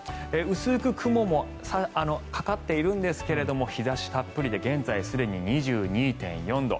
薄く雲もかかっているんですけれども日差したっぷりで現在すでに２２．４度。